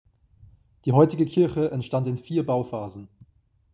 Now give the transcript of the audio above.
Die heutige Kirche entstand in vier Bauphasen.